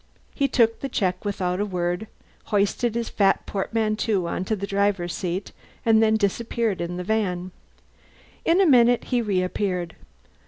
He took the check without a word, hoisted his fat portmanteau on the driver's seat, and then disappeared in the van. In a minute he reappeared.